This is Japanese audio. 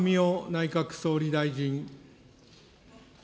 内閣総理大臣。